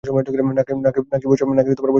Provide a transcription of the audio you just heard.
নাকি বসে আছে?